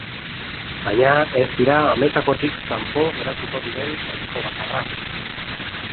Baina ez dira hamaikakotik kanpo geratuko diren ohiko bakarrak.